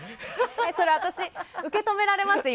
それ私、受け止められます？